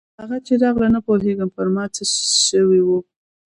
هغه چې راغله نه پوهېږم پر ما څه سوي وو.